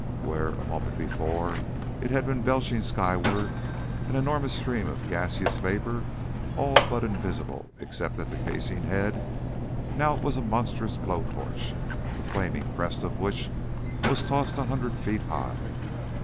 Where, a moment before, it had been belching skyward an enormous stream of gaseous vapor, all but invisible except at the casing head, now it was a monstrous blow torch, the flaming crest of which was tossed a hundred feet high.